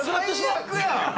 最悪や！